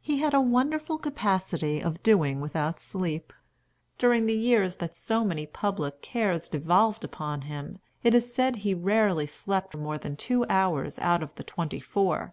He had a wonderful capacity of doing without sleep. During the years that so many public cares devolved upon him, it is said he rarely slept more than two hours out of the twenty four.